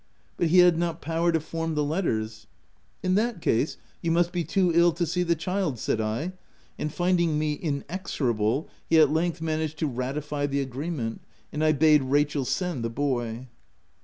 But he had not power to form the letters. " In that case, you must be too ill to see the child/ ' said I ; and finding me inexorable, he at length managed to ratify the agreement; and I bade Rachel send the boy.